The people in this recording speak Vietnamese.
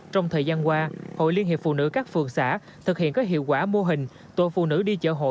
trong thời gian qua hội liên hiệp phụ nữ các phường xã thực hiện các hiệu quả mô hình tổ phụ nữ đi chở hộ